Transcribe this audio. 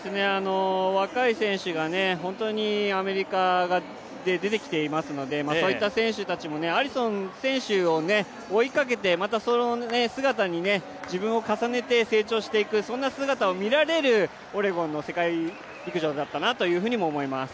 若い選手が本当にアメリカで出てきていますのでそういった選手たちもアリソン選手を追いかけて、またその姿に自分を重ねて成長していくそんな姿を見られるオレゴンの世界陸上だったなとも思います。